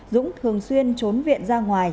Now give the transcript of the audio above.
dũng thường xuyên trốn viện ra ngoài